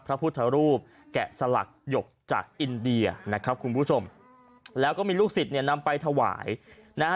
พระพุทธรูปแกะสลักหยกจากอินเดียนะครับคุณผู้ชมแล้วก็มีลูกศิษย์เนี่ยนำไปถวายนะฮะ